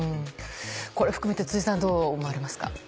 これを含めてさんはどう思われますか？